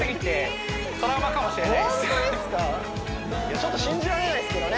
ちょっと信じられないですけどね